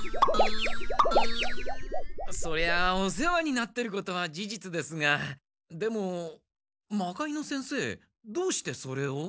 そりゃお世話になってることは事実ですがでも魔界之先生どうしてそれを？